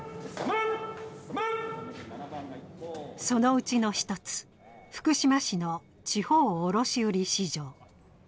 そのうちの１つ、福島市の地方卸売市場。